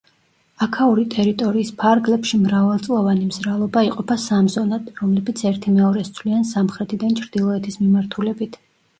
აქაური ტერიტორიის ფარგლებში მრავალწლოვანი მზრალობა იყოფა სამ ზონად: რომლებიც ერთიმეორეს ცვლიან სამხრეთიდან ჩრდილოეთის მიმართულებით.